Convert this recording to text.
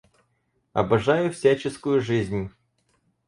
Обожаю всяческую жизнь!